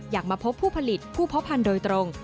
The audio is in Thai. มาพบผู้ผลิตผู้เพาะพันธุ์โดยตรง